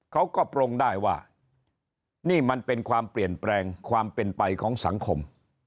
ปรงได้ว่านี่มันเป็นความเปลี่ยนแปลงความเป็นไปของสังคม